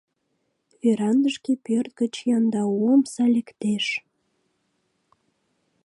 Верандышке пӧрт гыч яндау омса лектеш.